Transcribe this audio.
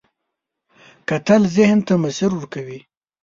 کتل ذهن ته مسیر ورکوي